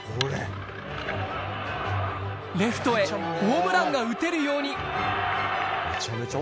レフトへホームランが打てるように。